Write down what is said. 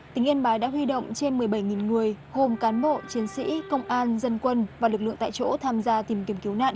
tỉnh yên bái đã huy động trên một mươi bảy người gồm cán bộ chiến sĩ công an dân quân và lực lượng tại chỗ tham gia tìm kiếm cứu nạn